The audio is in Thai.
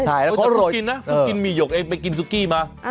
เค้ากินเนอะอีกแล้วก็กินซุกี้จะมา